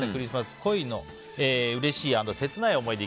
恋のうれしい＆切ない思い出